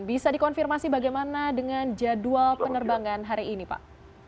bisa dikonfirmasi bagaimana dengan jadwal penerbangan hari ini pak